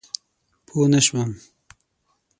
پوه نه شوم؟